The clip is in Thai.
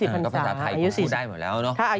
๒๐ภัณฐ์สารผมพูดได้หมดแล้วเนาะ